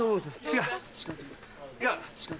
違う！